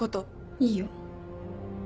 いいよ。